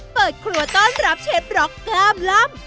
เปิดครัวต้อนรับเชฟร็อกกล้ามล่ำ